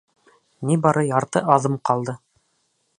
Ни бары ярты аҙым ҡалды.